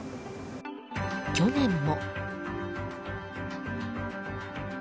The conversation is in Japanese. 去年も。